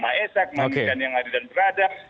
maesak memiliki keadilan yang adil dan beradab